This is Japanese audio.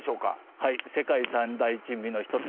はい世界三大珍味の１つ。